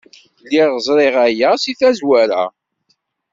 Lliɣ ẓriɣ aya seg tazwara.